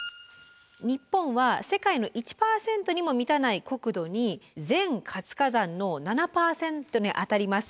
日本は世界の１％にも満たない国土に全活火山の７％にあたります